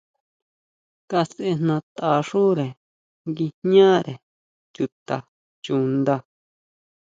Kasʼejnatʼaxúre nguijñare chuta chuʼnda.